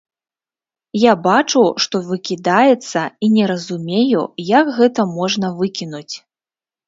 Я бачу, што выкідаецца, і не разумею, як гэта можна выкінуць.